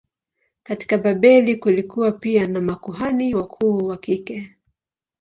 Katika Babeli kulikuwa pia na makuhani wakuu wa kike.